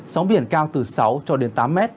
sóng biển cao từ sáu cho đến tám m